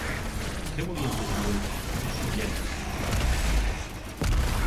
Què volien desenvolupar els soviètics i nord-americans?